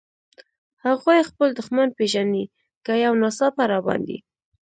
هغوی خپل دښمن پېژني، که یو ناڅاپه را باندې.